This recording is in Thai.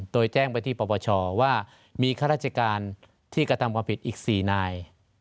โดยแจ้งไปที่ปปชว่ามีข้าราชการที่กระทำความผิดอีก๔นาย